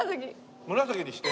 紫にして。